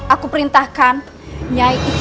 aku perintahkan nyai ikut